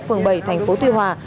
phường bảy tp tuy hòa